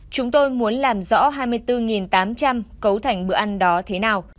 chúng tôi muốn làm rõ hai mươi bốn tám trăm linh cấu thành bữa ăn đó thế nào